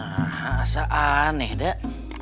asa aneh dek